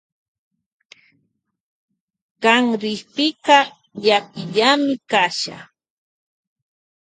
Kan rikpika llakillami kasha.